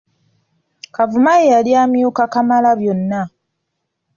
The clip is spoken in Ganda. Kavuma ye yali amyuka Kamalabyonna.